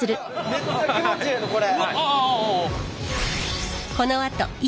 めっちゃ気持ちええぞこれ。